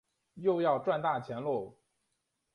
又要赚大钱啰